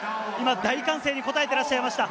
大歓声に応えてらっしゃいました。